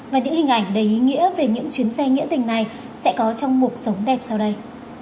và những hình ảnh đầy ý nghĩa về những chuyến xe nghĩa tình này sẽ có trong cuộc sống đẹp sau đây